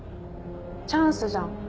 チャンスじゃん。